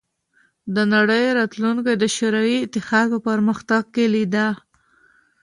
د نړۍ راتلونکې د شوروي اتحاد په پرمختګ کې لیده